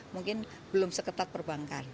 mungkin belum seketat perbankan